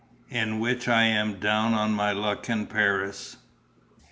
IN WHICH I AM DOWN ON MY LUCK IN PARIS.